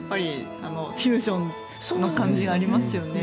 フュージョンの感じがありますよね。